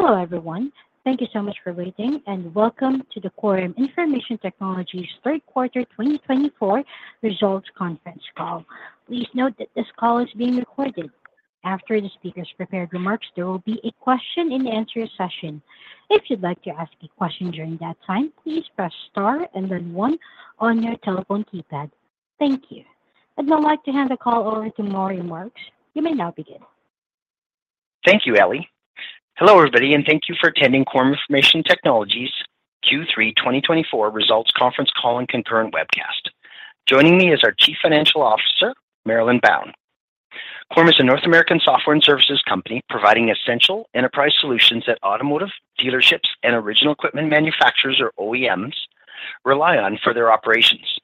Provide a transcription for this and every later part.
Hello, everyone. Thank you so much for waiting, and welcome to the Quorum Information Technologies third quarter 2024 results conference call. Please note that this call is being recorded. After the speaker's prepared remarks, there will be a question-and-answer session. If you'd like to ask a question during that time, please press star and then one on your telephone keypad. Thank you. I'd now like to hand the call over to Maury Marks. You may now begin. Thank you, Ellie. Hello, everybody, and thank you for attending Quorum Information Technologies Q3 2024 results conference call and concurrent webcast. Joining me is our Chief Financial Officer, Marilyn Bown. Quorum is a North American software and services company providing essential enterprise solutions that automotive dealerships and original equipment manufacturers, or OEMs, rely on for their operations.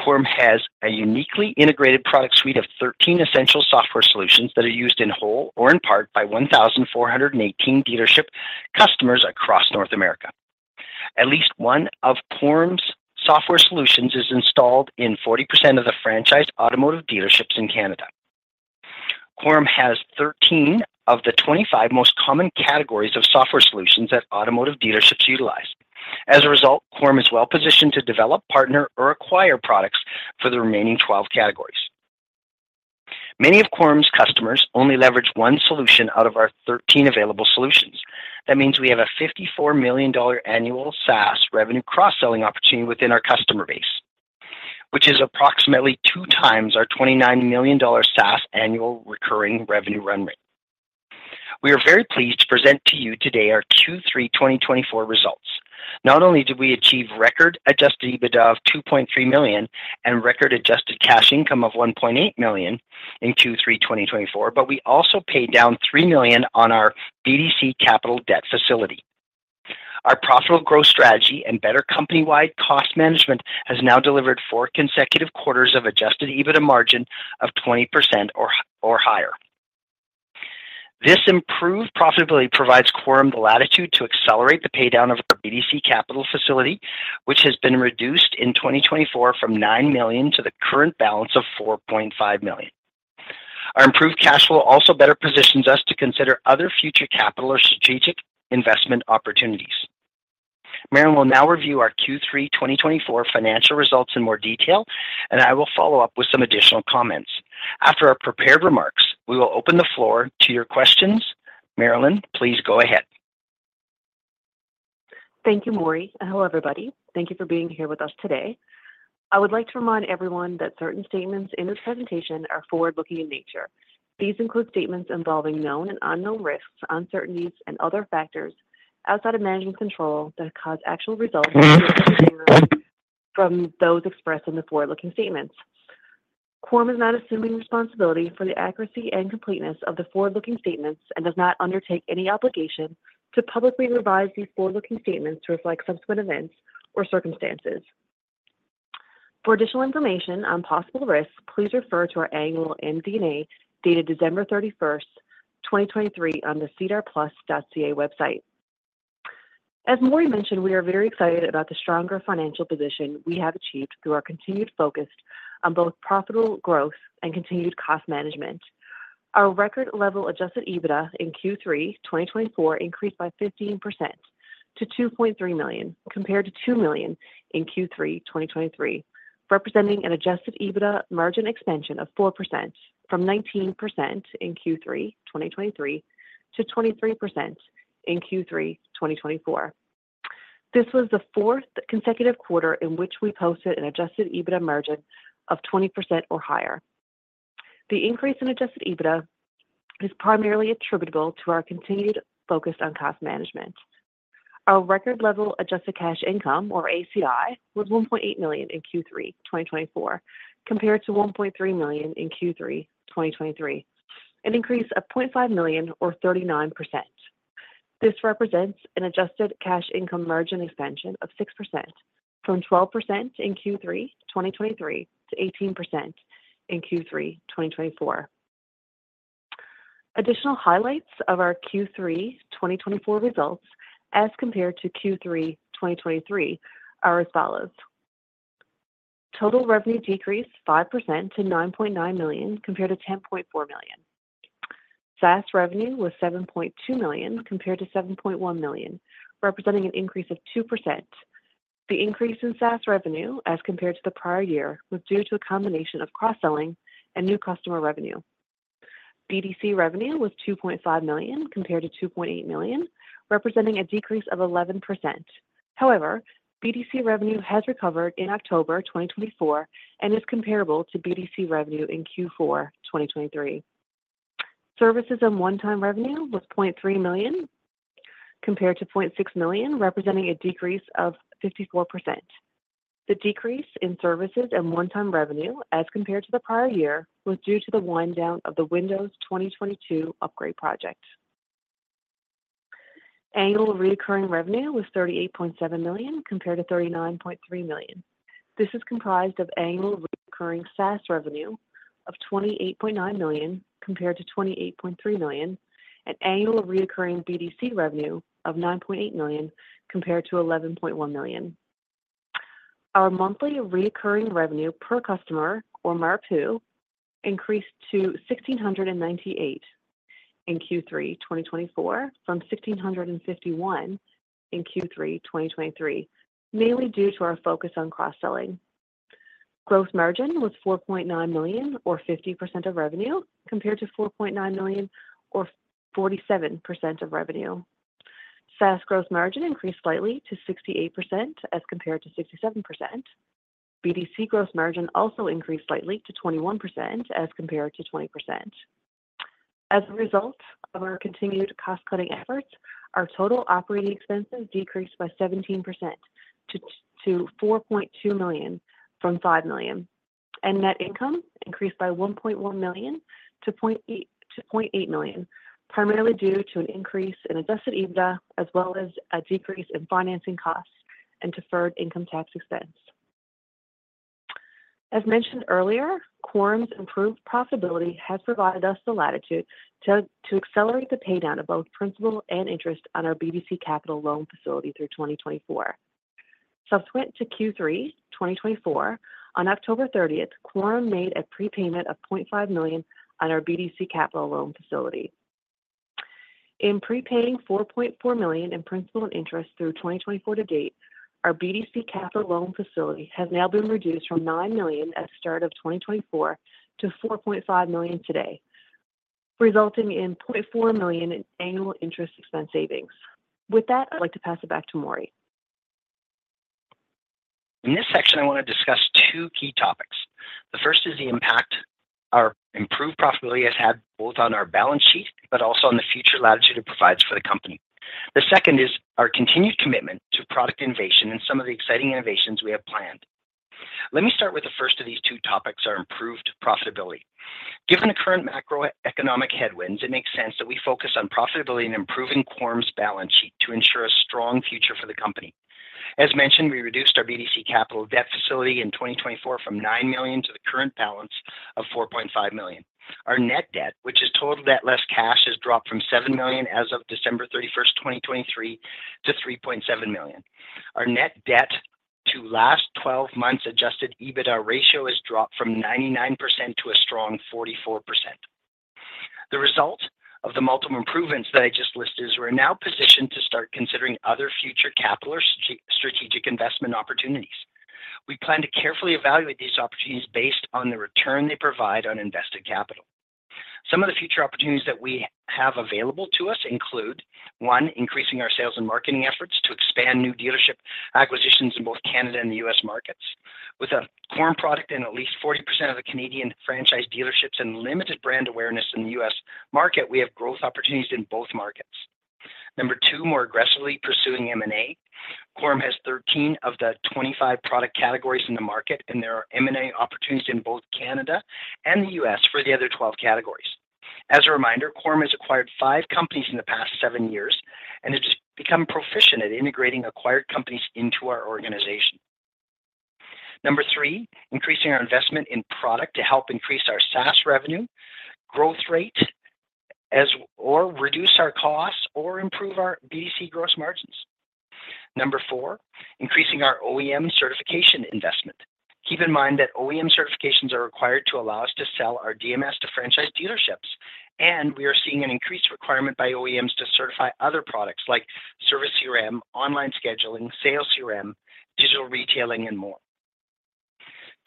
Quorum has a uniquely integrated product suite of 13 essential software solutions that are used in whole or in part by 1,418 dealership customers across North America. At least one of Quorum's software solutions is installed in 40% of the franchised automotive dealerships in Canada. Quorum has 13 of the 25 most common categories of software solutions that automotive dealerships utilize. As a result, Quorum is well-positioned to develop, partner, or acquire products for the remaining 12 categories. Many of Quorum's customers only leverage one solution out of our 13 available solutions. That means we have a 54 million dollar annual SaaS revenue cross-selling opportunity within our customer base, which is approximately two times our 29 million dollar SaaS annual recurring revenue run rate. We are very pleased to present to you today our Q3 2024 results. Not only did we achieve record Adjusted EBITDA of 2.3 million and record Adjusted Cash Income of 1.8 million in Q3 2024, but we also paid down 3 million on our BDC Capital debt facility. Our profitable growth strategy and better company-wide cost management have now delivered four consecutive quarters of Adjusted EBITDA margin of 20% or higher. This improved profitability provides Quorum the latitude to accelerate the paydown of our BDC Capital facility, which has been reduced in 2024 from 9 million to the current balance of 4.5 million. Our improved cash flow also better positions us to consider other future capital or strategic investment opportunities. Marilyn will now review our Q3 2024 financial results in more detail, and I will follow up with some additional comments. After our prepared remarks, we will open the floor to your questions. Marilyn, please go ahead. Thank you, Maury. Hello, everybody. Thank you for being here with us today. I would like to remind everyone that certain statements in this presentation are forward-looking in nature. These include statements involving known and unknown risks, uncertainties, and other factors outside of management control that cause actual results from those expressed in the forward-looking statements. Quorum is not assuming responsibility for the accuracy and completeness of the forward-looking statements and does not undertake any obligation to publicly revise these forward-looking statements to reflect subsequent events or circumstances. For additional information on possible risks, please refer to our annual MD&A dated December 31st, 2023, on the sedarplus.ca website. As Maury mentioned, we are very excited about the stronger financial position we have achieved through our continued focus on both profitable growth and continued cost management. Our record-level Adjusted EBITDA in Q3 2024 increased by 15% to 2.3 million, compared to 2 million in Q3 2023, representing an Adjusted EBITDA margin expansion of 4% from 19% in Q3 2023 to 23% in Q3 2024. This was the fourth consecutive quarter in which we posted an Adjusted EBITDA margin of 20% or higher. The increase in Adjusted EBITDA is primarily attributable to our continued focus on cost management. Our record-level Adjusted Cash Income, or ACI, was 1.8 million in Q3 2024, compared to 1.3 million in Q3 2023, an increase of 0.5 million, or 39%. This represents an Adjusted Cash Income margin expansion of 6% from 12% in Q3 2023 to 18% in Q3 2024. Additional highlights of our Q3 2024 results as compared to Q3 2023 are as follows: Total revenue decreased 5% to 9.9 million, compared to 10.4 million. SaaS revenue was 7.2 million, compared to 7.1 million, representing an increase of 2%. The increase in SaaS revenue, as compared to the prior year, was due to a combination of cross-selling and new customer revenue. BDC revenue was 2.5 million, compared to 2.8 million, representing a decrease of 11%. However, BDC revenue has recovered in October 2024 and is comparable to BDC revenue in Q4 2023. Services and one-time revenue was 0.3 million, compared to 0.6 million, representing a decrease of 54%. The decrease in services and one-time revenue, as compared to the prior year, was due to the wind down of the Windows 2022 upgrade project. Annual recurring revenue was 38.7 million, compared to 39.3 million. This is comprised of annual recurring SaaS revenue of 28.9 million, compared to 28.3 million, and annual recurring BDC revenue of 9.8 million, compared to 11.1 million. Our monthly recurring revenue per customer, or MRPU, increased to 1,698 in Q3 2024 from 1,651 in Q3 2023, mainly due to our focus on cross-selling. Gross margin was 4.9 million, or 50% of revenue, compared to 4.9 million, or 47% of revenue. SaaS gross margin increased slightly to 68% as compared to 67%. BDC gross margin also increased slightly to 21% as compared to 20%. As a result of our continued cost-cutting efforts, our total operating expenses decreased by 17% to 4.2 million from 5 million, and net income increased by 1.1 million to 0.8 million, primarily due to an increase in Adjusted EBITDA as well as a decrease in financing costs and deferred income tax expense. As mentioned earlier, Quorum's improved profitability has provided us the latitude to accelerate the paydown of both principal and interest on our BDC Capital loan facility through 2024. Subsequent to Q3 2024, on October 30th, Quorum made a prepayment of 0.5 million on our BDC Capital loan facility. In prepaying 4.4 million in principal and interest through 2024 to date, our BDC Capital loan facility has now been reduced from 9 million at the start of 2024 to 4.5 million today, resulting in 0.4 million in annual interest expense savings. With that, I'd like to pass it back to Maury. In this section, I want to discuss two key topics. The first is the impact our improved profitability has had both on our balance sheet but also on the future latitude it provides for the company. The second is our continued commitment to product innovation and some of the exciting innovations we have planned. Let me start with the first of these two topics, our improved profitability. Given the current macroeconomic headwinds, it makes sense that we focus on profitability and improving Quorum's balance sheet to ensure a strong future for the company. As mentioned, we reduced our BDC Capital debt facility in 2024 from 9 million to the current balance of 4.5 million. Our net debt, which is total debt less cash, has dropped from 7 million as of December 31st, 2023, to 3.7 million. Our net debt to last 12 months Adjusted EBITDA ratio has dropped from 99% to a strong 44%. The result of the multiple improvements that I just listed is we're now positioned to start considering other future capital or strategic investment opportunities. We plan to carefully evaluate these opportunities based on the return they provide on invested capital. Some of the future opportunities that we have available to us include: one, increasing our sales and marketing efforts to expand new dealership acquisitions in both Canada and the U.S. markets. With a Quorum product in at least 40% of the Canadian franchise dealerships and limited brand awareness in the U.S. market, we have growth opportunities in both markets. Number two, more aggressively pursuing M&A. Quorum has 13 of the 25 product categories in the market, and there are M&A opportunities in both Canada and the U.S. for the other 12 categories. As a reminder, Quorum has acquired five companies in the past seven years and has become proficient at integrating acquired companies into our organization. Number three, increasing our investment in product to help increase our SaaS revenue growth rate or reduce our costs or improve our BDC gross margins. Number four, increasing our OEM certification investment. Keep in mind that OEM certifications are required to allow us to sell our DMS to franchise dealerships, and we are seeing an increased requirement by OEMs to certify other products like Service CRM, online scheduling, Sales CRM, digital retailing, and more.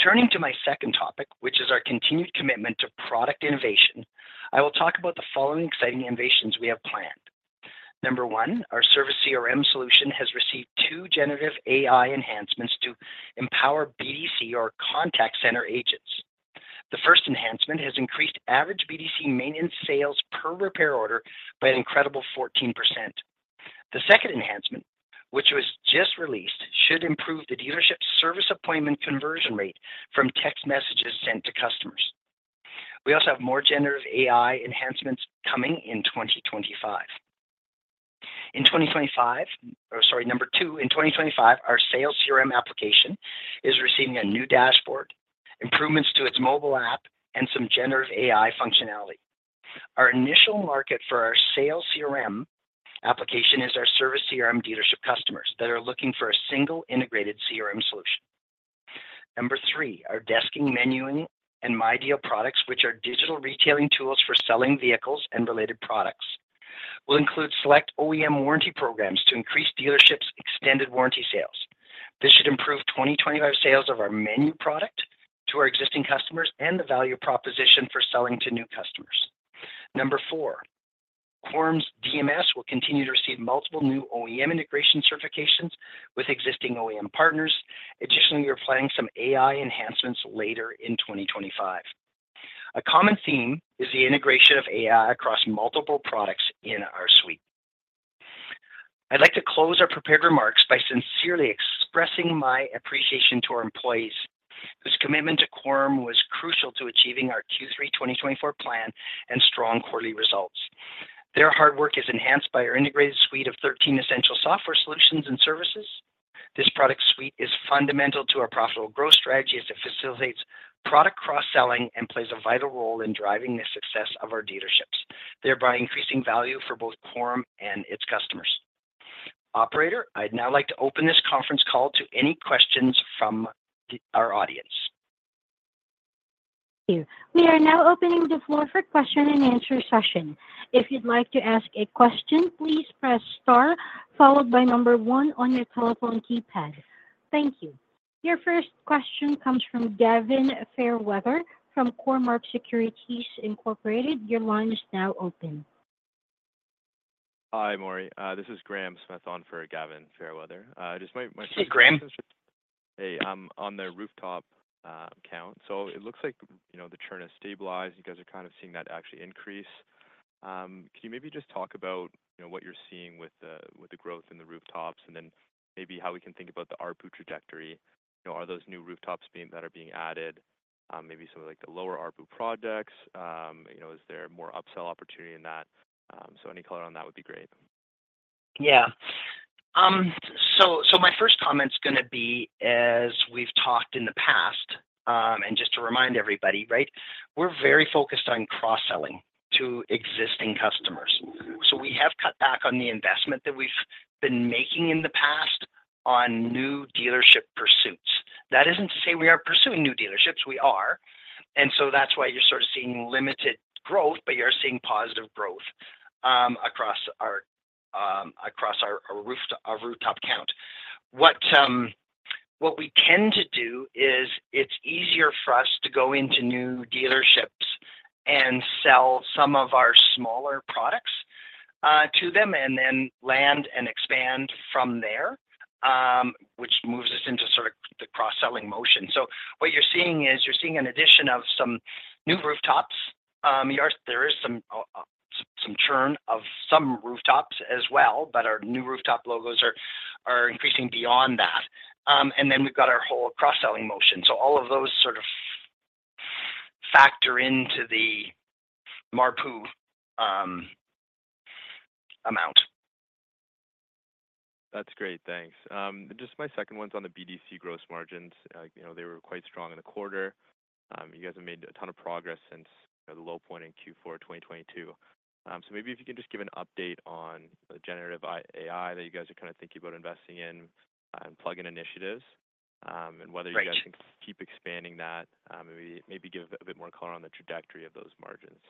Turning to my second topic, which is our continued commitment to product innovation, I will talk about the following exciting innovations we have planned. Number one, our Service CRM solution has received two generative AI enhancements to empower BDC, or contact center agents. The first enhancement has increased average BDC maintenance sales per repair order by an incredible 14%. The second enhancement, which was just released, should improve the dealership service appointment conversion rate from text messages sent to customers. We also have more generative AI enhancements coming in 2025. In 2025, or sorry, number two, in 2025, our Sales CRM application is receiving a new dashboard, improvements to its mobile app, and some generative AI functionality. Our initial market for our Sales CRM application is our Service CRM dealership customers that are looking for a single integrated CRM solution. Number three, our desking, menuing, and MyDeal products, which are digital retailing tools for selling vehicles and related products, will include select OEM warranty programs to increase dealerships' extended warranty sales. This should improve 2025 sales of our menu product to our existing customers and the value proposition for selling to new customers. Number four, Quorum's DMS will continue to receive multiple new OEM integration certifications with existing OEM partners. Additionally, we are planning some AI enhancements later in 2025. A common theme is the integration of AI across multiple products in our suite. I'd like to close our prepared remarks by sincerely expressing my appreciation to our employees. This commitment to Quorum was crucial to achieving our Q3 2024 plan and strong quarterly results. Their hard work is enhanced by our integrated suite of 13 essential software solutions and services. This product suite is fundamental to our profitable growth strategy as it facilitates product cross-selling and plays a vital role in driving the success of our dealerships, thereby increasing value for both Quorum and its customers. Operator, I'd now like to open this conference call to any questions from our audience. Thank you. We are now opening the floor for question and answer session. If you'd like to ask a question, please press star followed by number one on your telephone keypad. Thank you. Your first question comes from Gavin Fairweather from Cormark Securities Inc. Your line is now open. Hi, Maury. This is Graham Smith on for Gavin Fairweather. Just my question. Hey, Graham. Hey, I'm on the rooftop count. So it looks like the churn has stabilized. You guys are kind of seeing that actually increase. Can you maybe just talk about what you're seeing with the growth in the rooftops and then maybe how we can think about the ARR trajectory? Are those new rooftops that are being added, maybe some of the lower ARR products? Is there more upsell opportunity in that? So any color on that would be great. Yeah. So my first comment's going to be, as we've talked in the past, and just to remind everybody, right, we're very focused on cross-selling to existing customers. So we have cut back on the investment that we've been making in the past on new dealership pursuits. That isn't to say we aren't pursuing new dealerships. We are. And so that's why you're sort of seeing limited growth, but you're seeing positive growth across our rooftop count. What we tend to do is it's easier for us to go into new dealerships and sell some of our smaller products to them and then land and expand from there, which moves us into sort of the cross-selling motion. So what you're seeing is you're seeing an addition of some new rooftops. There is some churn of some rooftops as well, but our new rooftop logos are increasing beyond that. And then we've got our whole cross-selling motion. So all of those sort of factor into the MRPU amount. That's great. Thanks. Just my second one's on the BDC gross margins. They were quite strong in the quarter. You guys have made a ton of progress since the low point in Q4 2022. So maybe if you can just give an update on the generative AI that you guys are kind of thinking about investing in and plug-in initiatives and whether you guys can keep expanding that, maybe give a bit more color on the trajectory of those margins.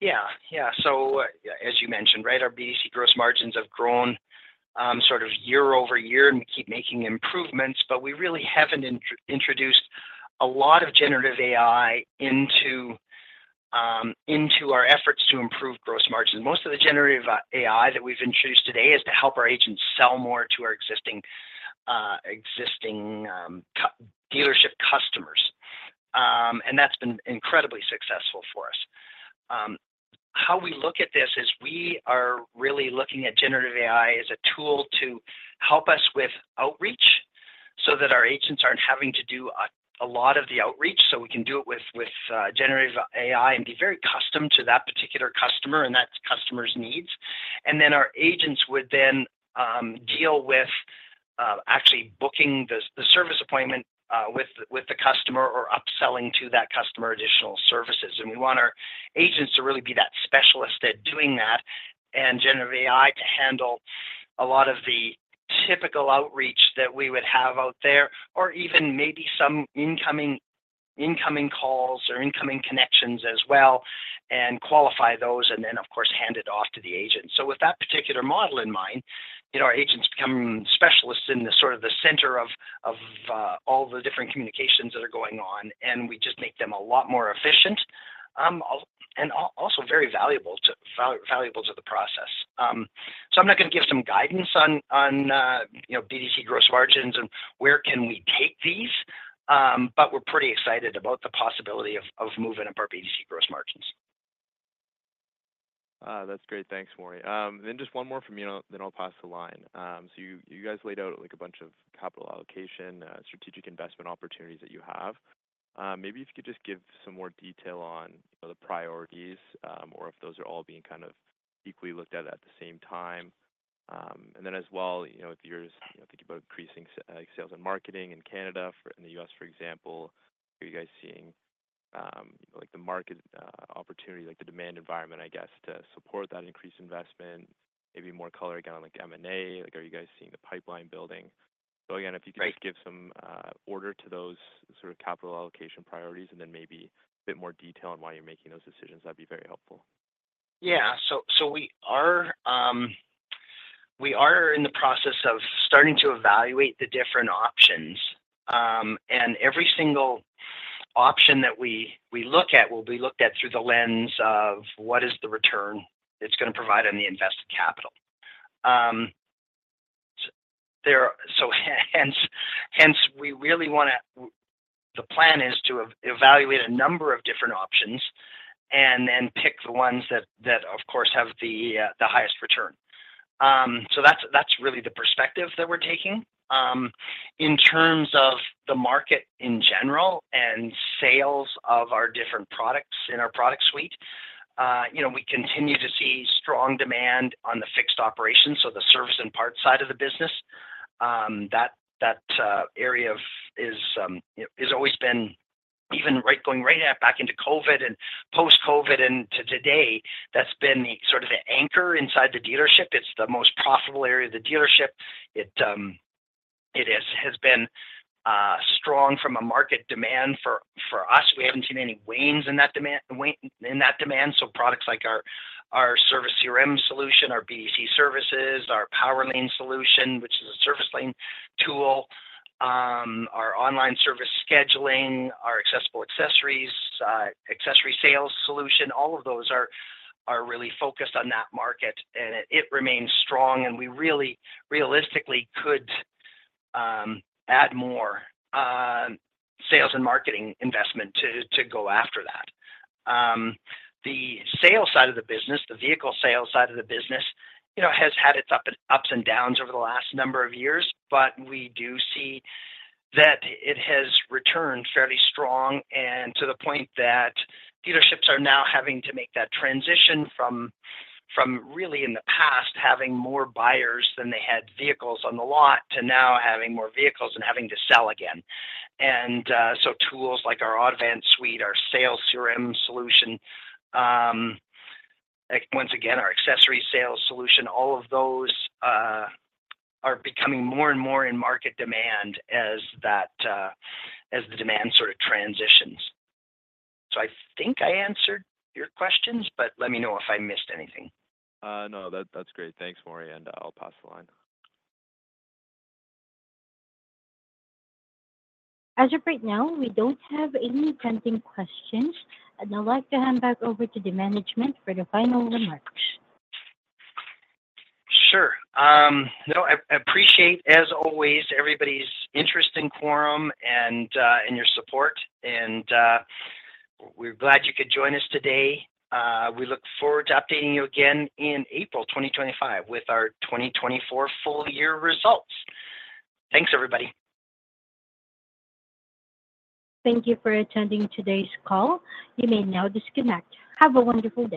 Yeah. Yeah. So as you mentioned, right, our BDC gross margins have grown sort of year over year, and we keep making improvements, but we really haven't introduced a lot of generative AI into our efforts to improve gross margins. Most of the generative AI that we've introduced today is to help our agents sell more to our existing dealership customers. And that's been incredibly successful for us. How we look at this is we are really looking at generative AI as a tool to help us with outreach so that our agents aren't having to do a lot of the outreach. So we can do it with generative AI and be very custom to that particular customer and that customer's needs. And then our agents would then deal with actually booking the service appointment with the customer or upselling to that customer additional services. We want our agents to really be that specialist at doing that and generative AI to handle a lot of the typical outreach that we would have out there or even maybe some incoming calls or incoming connections as well and qualify those and then, of course, hand it off to the agent. With that particular model in mind, our agents become specialists in sort of the center of all the different communications that are going on, and we just make them a lot more efficient and also very valuable to the process. I'm not going to give some guidance on BDC gross margins and where can we take these, but we're pretty excited about the possibility of moving up our BDC gross margins. That's great. Thanks, Maury. Then just one more from you, and then I'll pass the line, so you guys laid out a bunch of capital allocation, strategic investment opportunities that you have. Maybe if you could just give some more detail on the priorities or if those are all being kind of equally looked at at the same time, and then as well, if you're thinking about increasing sales and marketing in Canada and the U.S., for example, are you guys seeing the market opportunity, the demand environment, I guess, to support that increased investment? Maybe more color again on M&A. Are you guys seeing the pipeline building, so again, if you could just give some order to those sort of capital allocation priorities and then maybe a bit more detail on why you're making those decisions, that'd be very helpful. Yeah. So we are in the process of starting to evaluate the different options. And every single option that we look at will be looked at through the lens of what is the return it's going to provide on the invested capital. So hence, we really want to. The plan is to evaluate a number of different options and then pick the ones that, of course, have the highest return. So that's really the perspective that we're taking. In terms of the market in general and sales of our different products in our product suite, we continue to see strong demand on the fixed operations, so the service and parts side of the business. That area has always been, even going right back into COVID and post-COVID and to today, that's been sort of the anchor inside the dealership. It's the most profitable area of the dealership. It has been strong from a market demand for us. We haven't seen any wanes in that demand. So products like our Service CRM solution, our BDC services, our PowerLane solution, which is a service lane tool, our online service scheduling, our Accessible Accessories, accessory sales solution, all of those are really focused on that market. And it remains strong, and we really realistically could add more sales and marketing investment to go after that. The sales side of the business, the vehicle sales side of the business, has had its ups and downs over the last number of years, but we do see that it has returned fairly strong and to the point that dealerships are now having to make that transition from really in the past having more buyers than they had vehicles on the lot to now having more vehicles and having to sell again. And so tools like our Autovance suite, our Sales CRM solution, once again, our accessory sales solution, all of those are becoming more and more in market demand as the demand sort of transitions. So I think I answered your questions, but let me know if I missed anything. No, that's great. Thanks, Maury, and I'll pass the line. As of right now, we don't have any pending questions, and I'd like to hand back over to the management for the final remarks. Sure. No, I appreciate, as always, everybody's interest in Quorum and your support. And we're glad you could join us today. We look forward to updating you again in April 2025 with our 2024 full-year results. Thanks, everybody. Thank you for attending today's call. You may now disconnect. Have a wonderful day.